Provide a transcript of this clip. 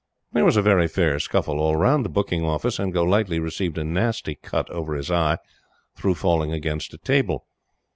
There was a very fair scuffle all round the booking office, and Golightly received a nasty cut over his eye through falling against a table.